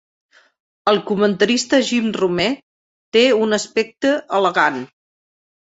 El comentarista Jim Rome té un aspecte elegant